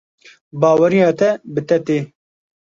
Baweriya te bi te tê.